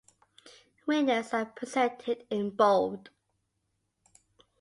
Winners are presented in bold.